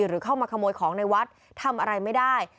หรือเข้ามาขโมยของในวัดทำอะไรไม่ได้